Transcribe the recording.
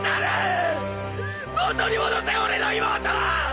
元に戻せ俺の妹を！